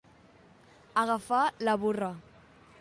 Agafar la burra.